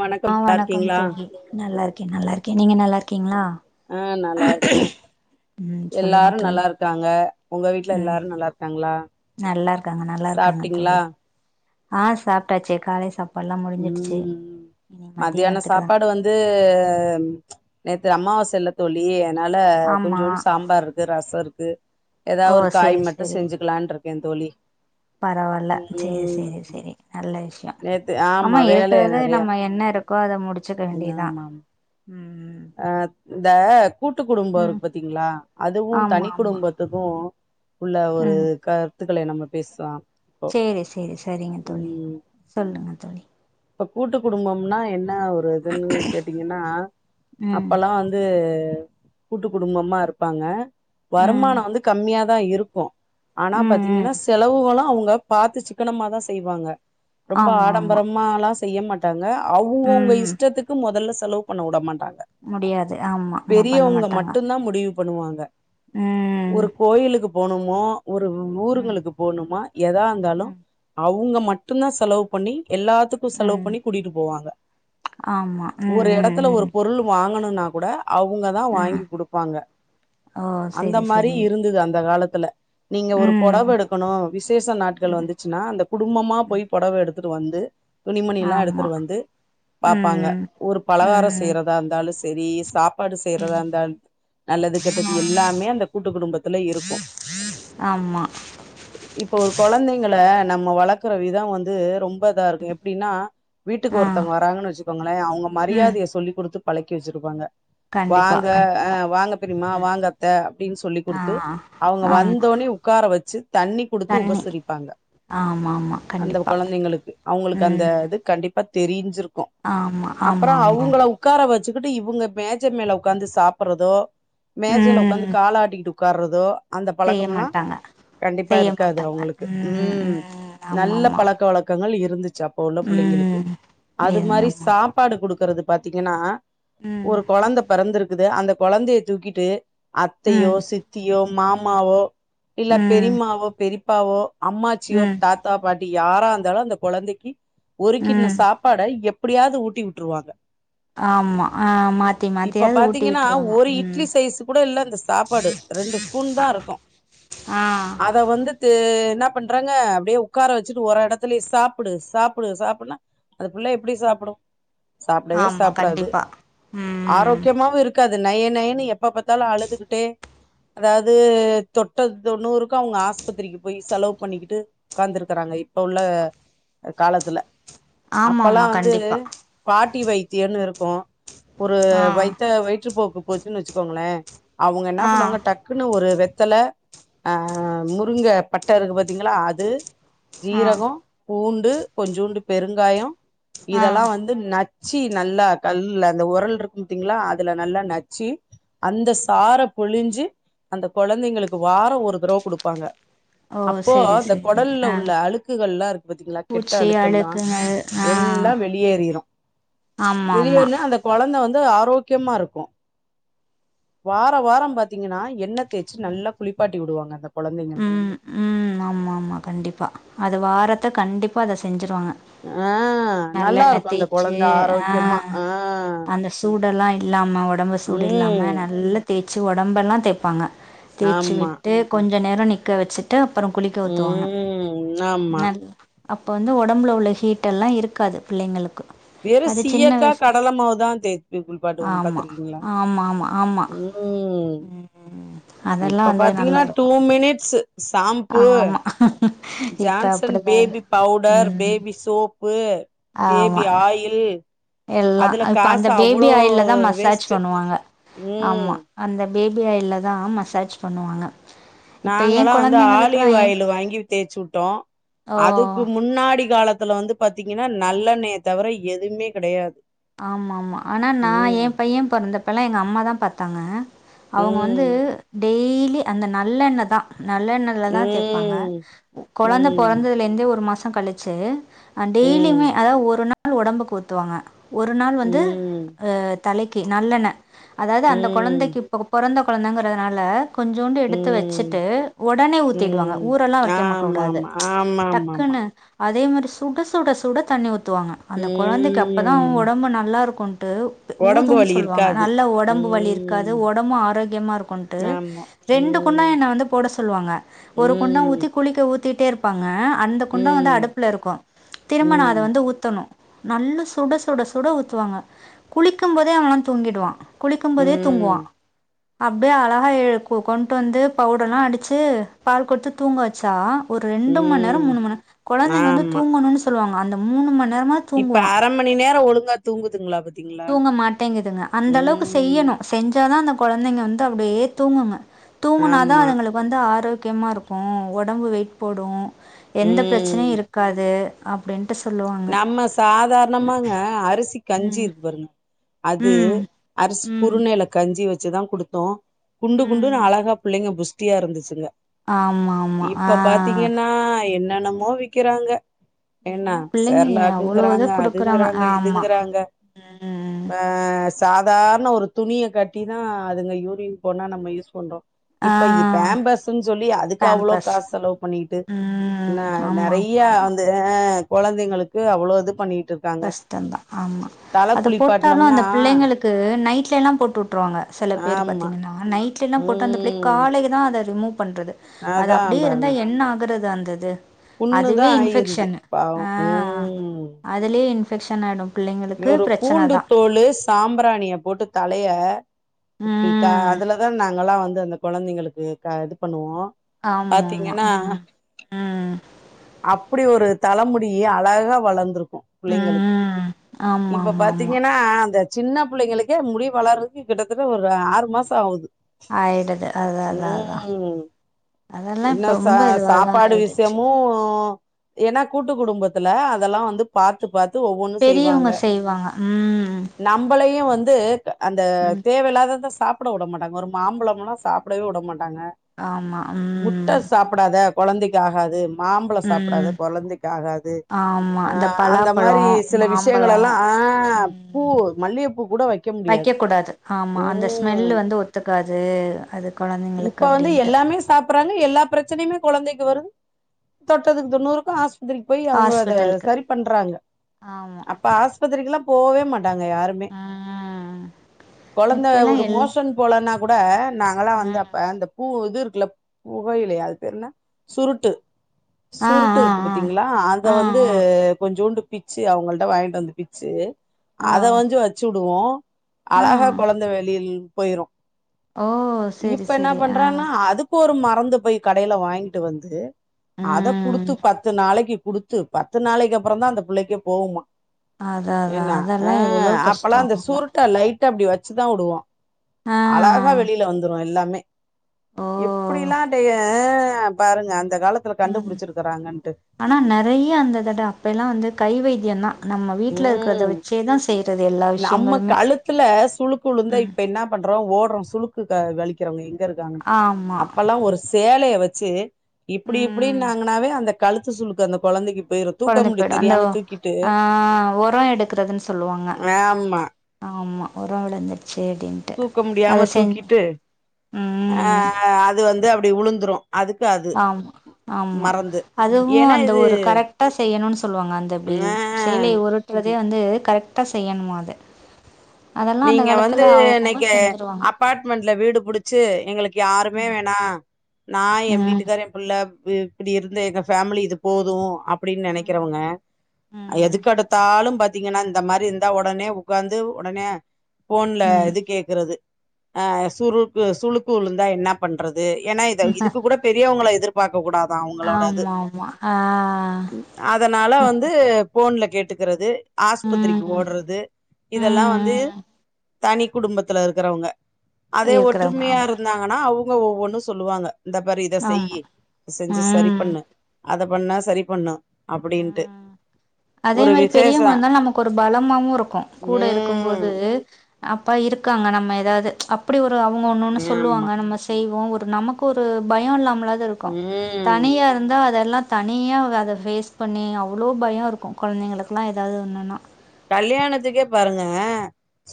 வணக்கம் ஆ நல்லா வணக்கம் இருக்கீங்களா தோழி நல்லாருக்கே நல்லாரு ஆ நல்லாருக்கே ம் சொல்லுங்க எல்லாரு தோழி நல்லாருக்காங்க உங்க வீட்ல எல்லாரு நல்லாருக்காங்ளா? நல்லாருக்காங்க நல்லாருக்காங்க தோழக ஆ சாப்டாச்சு காலை சாப் ம் மதியான மத்தியானத்துக்கு தா சாப்பாடு வந்து நேத்து அம்மாவா சல்ல தோழி அன்னால ஆமா கொஞ்சோன் சாம்பார்ருக்கு ரசொ இருக் கு எதா ஓ ஒரு காய் செரி மட்டு செரி செஞ்சுக்குலான்ருக்கே தோழி பரவால்ல சேரி ம் சேரி சேரி நல்ல விஷயோ நேத்து ஆமா வேலை இருக்கறத நெறையா நம்ம என்ன இருக்கோ அத முடிச்சக்க வேண்டியதா ம் ஆ இந்த கூட்டு குடும்போ ம் இருக்கு பாத்தீங்களா அதுவு ஆமா தனி ஆமா குடும்பத்துக்கு உள்ள ஒரு ம் க ருத்துக்கள நம்ம பேசலா. இப்போ சேரி சேரி சரிங்க தோழி ம் சொல்லுங்க தோழி இப்ப கூட்டு குடும்பம்னா என் ன ஒரு இதுன்னு கேட்டீங்கன்னா ம் அப்பல்லா வந்து அ கூட்டு குடும்பமா இருப்பாங்க ம் வருமானோ வந்து கம்மியா தா இருக்கு ஆனா ம் பாத்தீங்கன்னா ம் செலவுகளு அவுங் க பாத்து சிக்கனமாதா செய்வாங்க ரொம்ப ஆமா ஆமா ஆடம்பரமா எல்லா செய்ய மாட்டாங்க அவுங்கவுங்க ம் இஷ்டத்துக்கு மொதல்ல செலவு பண்ண உட மாட்டாங்க முடியாது ஆமா ஆமா பண்ண பெரியவங்க மாட்டாங்க மட்டுந்தா முடிவு பண்ணுவாங்க ம் ஒரு கோயிலுக்கு போணுமோ ஒரு உ ம் ஊருகளுக்கு போகணுமா எதா இருந்தாலு ம் அவுங்க மட்டும்தா செலவு பண்ணி எல்லாத்துக்கு செலவு ம் பண்ணி கூட்டிட்டு போவாங்க ஆமா ம் ஒரு எடத்துல ம் ஒரு ம் பொருளு வாங்கணுனா கூட அவங்கதா ஆ வாங்கி குடுப்பாங்க. ஓ அந்த செரி மாரி செரி இருந்தது அந்த காலத் துல நீங்க ஒரு பொடவ ம் எடுக்கணு விசேஷ நாட்கள் ம் வந்துச்சுன்னா அந்த குடும்பமா ம் போய் பொடவ எடுத் துட்டு வந்து துணிமணி எல்லா ஆமா எடுத்துட்டு வந்து பாப்பாங்க ம் ஒரு பலகாரோ ம் ம் செய்யற தா இருந்தாலு சரி சாப் ப்பாடு செய்யறதா இருந்தா நல்லது கெட்டது எல்லாமே அந்த கூட்டு குடும்பத்துல இருக்கு ஆ ஆமா இப்ப ஒரு கொழந்தைங்கள நம்ம வளக்குற விதொ வந்து ரொம் ப‌ இதா இருக்கு எப்டின்னா வீட்டுக்கு ஆ ஒருத்தங்க வராங்கன் வச்சுக்கோங்களே அவுங்க ம் மரியாதய சொல்லி குடுத்து பழக்கி வச்சிருப்பாங்க கண்டிப்பா வாங்க அ கண்டிப்பா வாங்க பெரிம்மா ம் வாங்கத்த அப்டின் சொல்லி ஆ குடுத்து அவுங்க ஆமா வந்தோன்னெ உக்கார வச்சு தண்ணி குடுத்து தண்ணி உபசரிப்பாங்க ஆமா ஆமா அந்த கண்டிப்பா கொழந்தைங்களுக்கு அவுங்களுக்கு அந்த ம் இது கண்டிப்பா தெரீஞ்சிரு ஆமா ஆமாமாமா வச்சுகிட்டு இவுங்க மேஜ மேல உக்காந்து சாப்புறதோ மேஜைல உக்காந்து ம் காலாட்டிகிட்டு உ க்கார்ரதோ அந்த செய்ய பழக்கமல்லா மாட்டாங்க கண்டிப்பா செய்ய இருக்காது மாட்டாங்க அவுங்களுக்கு ம் ஆமா நல்ல ஆமா பழக்க வழக்கங்கள் இரு ச்சு அப்ப உள்ள புள்ளெங்களுக்கு ம் அது மாரி ஆமா சாப்பாடு குடுக் குறது பத் திங்கன்னா ம் ஒரு கொழந்த பெறந்திரு க்குது அந்த கொழந்தைய தூக்கிட்டு அத்தையோ ம் சித்தியோ மா மாவோ இல்ல ம் பெரிம்மாவோ பெரிப் பாவோ அம்மாச்சியோ ம் தாத்தா பாட் டி யாரா இந்தாலு அந்த கொழந்தக்கி ஒரு கிண்ண ம் சாப்பாட எப் பிடியாது ஊட்டி விட்ருவாங்க ஆமா ஆ மாத்தி இப்ப மாத்தியாவது ஊட்டி பாத்தீங்கனா விட்டுருவாங்க ஒரு ம் இட்லி சைஸு கூட இல்ல அந்த சாப்பாடு ரெண்டு ஸ்பூன் தாருக்கு ஆ அத வந்து தே‌ என்னப் பண்றாங்க அப்டியே உக்கார வச்சுட்டு ஒரு எடத்துலே சாப்புடு சாப்புடு சாப்புட்னா அந்த புள்ள எப்பிடி சாப்புடு சாப்டவே சா கண்டிபா ம் ம் காது நய நயனு எப் ப பாத்தாலு அழுதுகிட்டே அதாது தொட்ட தொண்ணூறு க்கு அவுங்க ஆஸ்பத்திரிக்கு போய் செலவு பண்ணிகிட்டு உக்காந்துருக்காங்க இப்ப உள்ள காலத்துல ஆமா அப்பல்லா ஆமா வந்து கண்டிப்பா பாட் டிவை தியோனு இருக்கு ஒரு ஆ வயித்த வயிற்றுபோக் குபோச்சுனு வச்சுக்கோங்களே அவுங்க என்ன ஆ பண்ணுவாங்க டக்குனு ஒரு வெ த்தல ஆ முருங்க பட்ட இருக்கு பாத்தீங்களா அது ஆ ஜீரகோ பூண் டு கொஞ்சூண்டு பெருங்காயோ ஆ இதெல்லா வந்து ந ச்சி நல்லா கல்ல அந்த உரல் இருக்குபாத்திங்லா அதுல நல்லா நச்சு அந்த சார புழிஞ்சு அந்த கொழந்தைங்களுக்கு வாரோ ஒரு தரவ குடுப்பாங்க ஓ அப்போ செரி அந்த செரி கொடல்ல ஆ உள்ள அழுக்குகள்லா இருக்கு பாத்தீங்களா கெட்ட பூச்சி அழுக்கள்லா அழுக்குங்கள் ஆ எல்லா வெளியேறிரு ஆமா ஆமா வெளியொர்ல அந்த கொழ கொழந்த வந்து ஆரோக்யமா இருக்கு வார வாரோ பாத்தீங்கனா என்னத் தேச்சி நல்லா குளிப்பாட் டி விடுவாங்க உ கொழந்தைங்களுக்கு உ ஆமா ஆமா கண்டிப்பா அது வாரத் த கண்டிப்பா அத செஞ்சுரு பாங்க ஆ நல்லா நல்லண்ண இருக்கு அந்த தேச்சு கொழந்த ஆ ஆரோக்கியமா ஆ அந்த சூடெல்லா இல்லாம ஒடம்பு சூடு இல்லாம ம் நல்ல தே ச்சு ஒடம்பெல்லா தேப்பாங்கா தேச்சு ஆமா விட்டு கொஞ் ஞ்ச நேரோ நிக்க வச்சிட்டு அப்றோ குளிக்க ஊத்துவாங்க ம் ஆமா நல்லா அப்போ வந்து ஒடம்புல உள்ள ஹீட்டெல்லா இருக்காது பிள்ளைங்களு வெறு சீயக்கா கடலமாவுதா தேச்சு குளுப்பாட்டுவாங்க ஆமா பாத்துருக்கீங்களா ஆமா ஆமா ஆமா உ ம் அதெல்லா இப்ப வந்து நல்லா பாத்தீங்கனா டூ இருக்கு மினிட் ட்ஸஸு சாம்பு ஆமா இப்ப ஜான்சன் அப்படிதா பேபி பவ்டர் ம் பேபி சோப்பு ஆமா பேபி ஆயில் எல்லா அதுல இப்ப அந்த காசு பேபி அவ்ளோ ஆயில்தா மசாஜ் வேஸ்ட்டு பண்ணுவாங்க ம் ஆமா அந்த பேபி ஆயில்லதா மசாஜ் பண்ணுவாங்க இப்ப ஏ நாங்கல்லா வந்து கொழந்தைங்களுக்குலா ஆலிவ் ஏ ஆயிலு வாங்கி தேச்சு உட்டோ. ஓ அதுக்கு முன்னாடி காலத்துல வந்து பாத்தீங்கனா நல்லெண்ணெய தவிர எதுமே கெடையாது ஆமா ஆமா ஆனா நா ம் ஏன் பைய பொறந்தப்பல்லா எங்க அம்மாதா பாத் தாங்க அவுங்க வந்து ம் டெய் லி அந்த நல்லெண்ணதா நல்லெண்ணலதா தேப்பாங்க ம் ஒ கொழந்த ம் பொறந்ததுலர்ந்து ஒரு மாசோ கழிச்சு ஆ ம் டெய்லியுமே அதாவது ஒரு நா ள் ஒடம்புக்கு ஊத்துவாங்க ஒரு நாள் வந்து ம் ஆ தலக்கி நல்லெண்ண அதாவ்து அந்த ம் கொழந்தைக்கி இப்ப பொறந்த கொழந்தங்கிறதுனால கொஞ்சோண்டு எடுத்து ம் வச்சுட்டு ஒடனே ஊத்திடுவாங்க ம் ஊரெல்லா வைக்கமா கூடாது ஆமாமா ஆமாமாமா டக்குன்னு அதே மாரி சுட சுட சுட தண்ணி ஊ த்துவாங்க அந்த கொழந்தைக்கி அப்ப தா ம் ஒடம்பு நல்லா இருக்குன் ட்டு த் ஒடம்பு ஊதுன்னு வலி சொல்வாங்க இருக்காது நல்லா ஒடம்பு வலி இருக்காது ம் ஒடம்பு ஆரோக்கியமா இருக்குண்ட்டு ஆமா ரெண்டு குண்டா ம் என்ன வந்து போட சொல்வாங்க ஒரு குண்டா ம் ஊத்தி குளிக்க ஊத் திட்டே இருப்பாங்க அந்த குண்டா வந்து ம் அடுப்புல இருக்கு திரும்ப நா அத ம் வந்து ஊத்தணு நல்ல சுட சுட சுட ஊத்துவாங்க. குளிக்கும் போதே அவன்லா தூங்கிடுவா குளிக்கும்போதே ம் தூங்குவா அப்டியே அழகா எ கொ கொண்டுட் வந்து பவுடர்லா அடிச்சு பால் குட்த்து தூங்க வச்சா ஒரு ரெண்டு மணி நேரோ ம் மூணு மணி நேரோ கொழந்தைங்க வந்து ஆமா தூங்கணுன்னு சொல்வாங்க அந்த மூணு மணி நேரமாக இப்ப தூங்குவான் அர மணி நே ரோ ஒழுங்கா தூங்குதுங்களா பாத் தூங்க மாட்டேங்குதுங்க அந்த அளவுக்கு செய்யனு செஞ்சாதா அந்த கொழந்தைங்க வந்து அப்டியே தூங்குங்க தூங்குனாதா ஆமா அதுங்களுக்கு வந்து ஆரோ க்கியமா இருக்கு ஒடம்பு வெயிட் போடு எந்த ம் பிரச்சனயு இருக்காது அப் நம்ம சாதார்ணமாங்க அரிசி கஞ்சி ம் இருக்கு பாருங்க அது ம் அரசி ம் குறுனைல கஞ்சி வ ச்சுதா குடுத்தோ குண்டு குண்டுனு அழகா பிள்ளைங்க புஸ் டியா இருந்துச்சுங்க ஆமாமா ஆ னன்னமோ விக்கிறாங்க என்ன ப சர்லாக்குங்கிறாங்க அதுங்குறாங்க ஆமா இதுங்குறாங்க ம் ஆ சாதா ர்ன ஒரு துணிய கட்டிதா அதுங்க யூரியின் போனா நம்ம யூஸ் பண்றோ ஆ இப்ப இ பேம்பர்ஸ்னு சொல்லி அதுக்கு அவ்ளோ பேம்பஸ் காசு செலவு பண்ணிட்டு ந ம் ஆமா ஆமா நிறையா ஆமா வந்து ஆ கொழந்தைங்களுக்கு அவ்ளோ இது பண்ணிட் கஷ்டந்தா ஆமா அத போட்டாதா அந்த குளிப்பாட்னம்னா பிள்ளைங்களுக்கு நைட் டெல்லா போட்டு விட் விட்ருவாங்க சில பேர் ஆமா பாத்தீங்கன்னா நைட் சின்னா போட்டு அந்த பிள்ளைக்கு ம் காலே தா த ரிமூவ் பண்றது அது அதா அப்டியே பாருங்க இருந்தா என்ன ஆகுறது தா அந்தது புண்ணுதா ஆயிருது பாவோ உ அதுலே இன்ஃபெக்ஷன் ஆய்டு ஒரு பூண்டு தோலு சாம்பிராணிய போட்டு தலய இப்டிக்கா ம் அதுலதா நாங்கல்லா வந்து அந்த கொழந்தைங்களுக்கு க இது பண்ணுவோ ஆமாமா பாத்தீங்கனா ம் ம் அப்டி ஒரு தலமுடி அழகா வளந்துருக்கு கு புள்ளேங்களுக்கு ம் இப்ப ஆமாமாமா பாத்தீங்கனா அந்த சின்ன புள்ளைங்களுக்கே முடி வளர்றதுக்கு கிட்டத்தட்ட ஒரு ஆறு மாச ஆவுது ஆயிடுது அது அதா அதா ம் அதெல்லா என்ன இப்ப ச ரொம்ப இதுவாதா சாப்பாடு ஆயிடுச்சு விஷ்யமு ஏனா கூட்டு குடும்பத்துல அ தெல்லா வந்து பாத்து பாத்து ஒவ்வொன்னு செய்வாங்க பெரியவுங்க செய்வாங்க ம் து அந்த ம் தேவெல்லாதத சாப் புட உட மாட்டாங்க ஒரு மாம்பழமுல்லா சாப்புடவே உடமாட் டாங்க ஆமா முட்ட ம் சாப்புடாத கொழந்தைக்கு ஆகாது மாம்பழ ம் சாப்டாத கொழந்தைக்கு ஆகாது ஆமா ஆ இந்த அந்த மாரி பலாப்பழோ சில மாம்பழோ விஷ்யங்களெல்லா ஆ பூ ம் மல்லியப்பூ கூட வக்க முடியாது வைக்க கூடாது ஆமா அந்த ஸ்மெல்லு ம் வந்து ஒத்துக்காது அது கொழந்தைங்களுக்கு இப்ப வந்து அப்டின்ட்டு எல்லாமே சாப்புறாங்க எல்லா பிரச்சனயுமே கொழந்தைக்கு வருது தொட்டதுக்கு தொண்ணூறுக்கு ஆஸ் பத்திரிக்கு போய் அவுங்க அத ஹாஸ்பிட்டலுக்கு சரி பண்றாங்க ஆமா அப்ப ஆஸ்பத்திரிக்குல்லா போவே மாட்டாங்க யாருமே ம் கொழந்த இப்பெல்லா ஒரு எல் மோஷன் போலனா கூட நாங்களா வந்த ம் அப் பூ இது இருக்குல புகையிலயா அது பேர் என்ன சுருட்டு ஆ சுருட்டு ஆ இருக்கு ஆ பாத்தீங்ளா அத ஆ வந்து ஆ கொஞ்சூண்டு பிச்சு அவுங்கள்ட்ட வாங்கிட்டு வந்து பிச்சு ஆ அத வஞ்சு வச்சுடுவோ ஆ அழகா கொழந்த வெளியில் போயிரு ஓ செரி ப என்ன செரி ஆ பண்றான்னா அதுக் கு ஒரு மரந்து போய் கடைல வாங்கிட்டு வந்து அத குடுத்து ம் பத்து நாளக்கி குடுத்து பத்து நாளைக்கப்பறந்தா அந்த புள்ளைக்கே போவுமா அதா அதா என்ன அதெல்லா அ எவ்ளோ அப்பல்லா கஷ்டோ இந்த ஆமா சுருட்ட லைட் ட அப்டி வச்சுதா வுடுவோ ஆ அழகா வெளில வந்துரு எல்லாமே ஓ எப்பிடில்லா டைய ஆ பாருங்க அந் ம் ஆனா நெறைய அந்த தட அப்ப எல்லா வந்து கை வைத்தியந்தா நம்ம வீட்ல இருக்கிறத ம் வச்சே தா செய்றது எல்லா நம்ம விஷயங்களுமே கழுத்துல சுளுக்கு உழுந்தா ம் இப்ப என்ன பண்றோ ஓடுறோ சுளுக்குக்கு வலிக்கிறவங்க எங்க இருக்காங்கன்னு. ஆமா அப்பல்லா ஒரு சேலைய வச்சு இப்டி ம் இப்டினாங்கனாவே அந்த கழுத்து சுளுக்கு அந்த கொழந்தைக்கி போயிரு தூக்க கொழஞ்சு முடி போயிடு அந்த தெரியாம தூக்கிட்டு ஆ ஒரோ எடுக்கறதுன்னு சொல்லுவாங்க ஆமா ஆமா ஒரோ விழுந்துருச்சு அப்டின் தூக்க முடியாம தூக்கிட்டு ஆ ம் அது வந்து அப்டி உழுந்துரு ஆமா ஆமா அதுவு ஏன்னா அந்த இது ஒரு கரெக்டா செய்யணுன்னு சொல்லுவாங்க அந்த இப்டி ஆ சேலைய உருட்ற து வந்து கரெக்டா செய்யணுமா அது அதெல்லா அந்த நீங்க வந்து காலத்துல அவங்கவுங்க இன்னைக்கி செஞ்சிருவாங்க அப்பார்ட்மெண்ட்ல வீடு புடிச்சு எங்களுக்கு யாருமே ம் வேணா நா என் ம் வீட்டுக்காரு ஏன் புள்ள வீ இப்டி இருந்த எங்க ஃபேமிலி இது போது அப் பிடின்னு ம் நெனைக்கிறவங்க அ ம் எதுக்கு எடுத்தாலு ப பாத்தீங்கன்னா இந்த மாரி இருந்தா ஒடனே உக்காந்து ஒடனே ஃபோன்ல ம் இது கேக்குறது ஆ சுருக்கு சுளுக்கு உழுந்தா என்னா பண்ற து ஏன்னா இத இதுக்கு கூட பெரியவங்கள எதிர் பாக்ககூடாதா அவங்களோட இது ஆமா ஆமா ஆ ம் அதனால வந்து போன்ல கேட்டுக்கிறது ஆஸ்பத்திரிக்கு ம் ஓடுறது ம் இதெல்லா வந்து ம் தனிக் குடும்பத்துல இருக்கறவங்க அதே இருக்குறவங்க ஒற்றுமையா ஆமா இருந்தாங்கன்னா அவு ங்க ஒவ்வொன்னு சொல்லுவாங்க இந்தா பாரு இத செய்யி ஆமா செஞ்சு சரி ம் பண்ணு அத பண்ணா சரி பண்ணு அப்டின்ட்டு ம் அதே ஒரு மாரி விசேஷ பெரியவங்க இருந்தா நமக்கு ஒரு பலமாவு இருக்கு கூட இருக்கும்போது ம் அப்பா இருக்காங்க நம்ம எதாவது அப்படி ஒ ரு அவங்க ஒன்னுன்னு ஆமா சொல்லுவாங்க நம்ம செய்வோ ஒ ரு நமக்கு ஒரு பயோ இல்லாம இல்லாது இருக்கு ம் தனியா இருந்தா அதெல்லா தனியா அவக அத ஃபேஸ் பண்ணி அவ்ளோ பயம் இருக் கும் குழந்தைங்களுக்கலா ஏதாவது ஒன்னுன்னா கல்யாணத்துக்கே பாருங்க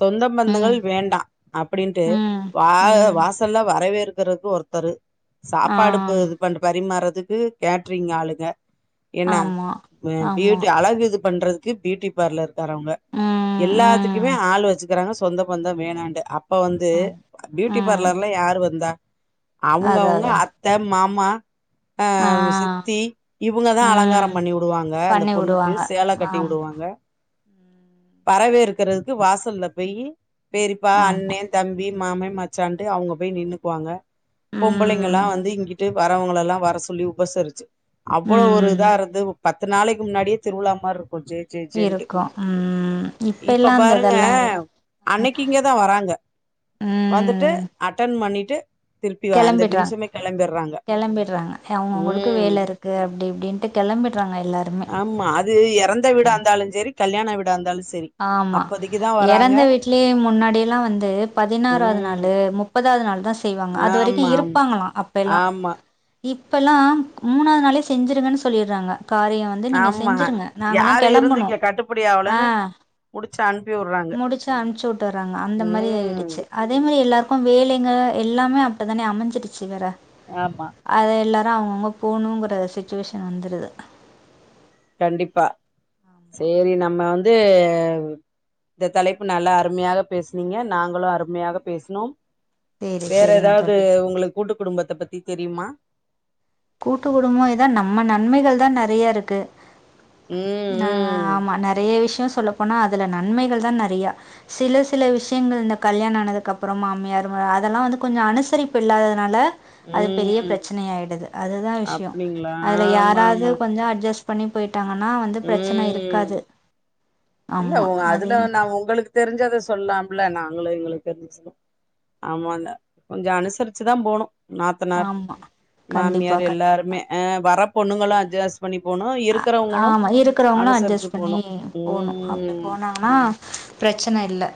சொந்த ம் பந்தங்கள் வேண்டா அப்டின்ட்டு ம் வா ம் வாசல்ல வரவேற்ப் தருக்கு ஒருத்தரு ஆ சாப்பாடுக்கு இது பண்ட் பரிமாறத் இதுக்கு கேட்ரிங் ஆளுங்க என்ன ஆமா ம் ஆமா பியூட் அழகு இதுக் பண்றதுக்கு பியூட்டி பார்லர் தரவங்க ம் எல்லாத்துக்குமே ம் ஆளு வச்சு இருக்கறாங்க சொந்த பந்த வேணாண்டு அப் இப்ப வந்து ஆம் பியூட்டி ம் பார்லர்லா யாரு வந்தா அவுங்க அதா அவங்க அதா அத்த மாம் மா அ ஆ ம் சித்தி இவுங்கதா அலங்கார ம் பண்ணி வுடுவாங்க அந்த பண்ணி பொண்ணுக்கு விடுவாங்க சேல கட்டி ஆமா வுடுவாங்க. ம் பறவே இருக்கறதுக்கு வாசல்ல போயி பெரிப்பா ஆமா அண்ணே தம்பி மாமே மச்சான்ட்டு அவுங்க போய் நின்னுக்குவாங்க பொம்பளைங்க எல்லா ம் வந்து இங்கிட்டு வரவங்கள எல்லா வர சொல்லி உபசரிசசு. அவ்வள ஒரு ம் இதா இருந்து உ பத்து நாளைக்கு முன்னாடியே திருவிழா மாரி இருக் ஜே ஜே ஜெண்ட்டு இருக்கு ம் எல்லா இப்ப அந்த பாருங்க இதெல்லா இல்ல அன்னைக்கு இங்கதா வராங்க வந்துட்டு அட்டன் பண்ணிட்டு திருப்பி அந்த கிளம்படுறாங்க நிமிஷமே கெளம்பிட்றாங்க கிளம்படுறாங்க அவங்கவுங்களுக்கு ம் வேல இருக்கு அப்டி இப்டின்ட்டு கிளம்படுறாங்க எல்லாருமே ஆமா அது எறந்த வீடா இருந்தாலு செரி கல்யாண வீட இந்தாலும் ச ஆமா இறந்த வீட்லயே முன்னாடிய எல்லாம் வந்து பதினாறாவது ம் நாளு முப்பதாவது நாள்தா செய்வாங்க அது ஆமா வரைக்கும் ஆமா இருப்பாங்களா அப்ப எல்லா ஆமா இப்பல்லாம் மூணாவது நாளே செஞ்சிருவேன் சொல்லிறாங்க காரியம் வந்து நீங்க ஆமா செஞ்சுருங்க நாங்கல்லாம் யாரு இருந்து களம்பனும் இங்க கட்டுப்படி ஆவலன்னு ஆஹ முடிச்சு அனுப்பி வுட்றாங்க முடிச்சு அன்ப்ச்சு வுட்டுறாங்க அந்த மாரி ம் ஆயிடுச்சு அதே மாரி எல்லாருக்கும் வேலைங்க எல்லாமே அப்படித்தானே அமைஞ்சிருச்சு வேற ஆமா அத எல்லாத் அ அவுங்கவுங்க போணுங்கற சுச்சுவேஷன் வந்துருது. கண்டிப்பா ஆமா சேரி நம்ம வந்து இந்த தலைப்பு நல்லா அருமையாக பேசனீங்க நாங்களும் அருமையாக பேசனோம். சேரி வேற சேரிங்க எதாவது தோழி உங்களுக் கூட்டு குடும்பத்த பத்தி தெரியுமா கூட்டு குடும்போ இத நம்ம நன்மைகள் தா நறியா இருக்கு நா ம் ஆமா நெறைய விஷ்யோஸ் சொல்லப்போனா அதுல நன்மைகள் தா நறியா சில சில விஷயங்கள் இந்த கல்யாண ஆனதுக்கு அப்புறமா மாமியாருங்க அதெல்லா வந்து கொஞ்ச அனுசரிப்பு இல்லாததுனால அது ம் பெரிய ம் பிரச்சினை ஆயிடுது அதுதா விஷ்யோ அப்டிங்களா அதுல ஆமா யாராவுது ஆமா கொஞ்ச அ அஜேஸ் பண்ணி போயிட் ட்டாங்கன்னா வந்து பிரச்சன்ன ம் இருக்காது இல்ல ஆமா. உ அதே அதுல நா உங்களுக் தெரிஞ்சத சொல்லாமுல்ல நாங்குளு எங்குளு தெரிஞ்ச ஆமாங்க கொஞ்ச அனுசரிச்சுதா போனு நாத்துனார் ஆமா. கண்டிப்பா, மாமியார் கண்டிப்பா. எல்லாருமே அ வர பொண்ணுங்களு எ அஜேஸ் பண்ணி போனு அ இருக்கறவங்களு ஆமா. அனுசரிச்சு போனு உம் ஆமா அப்டி போனாங்கனா பிரச்சன்ன இல்ல